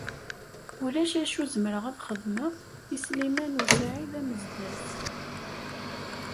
Ulac acu zemreɣ ad t-xedmeɣ i Sliman u Saɛid Amezdat.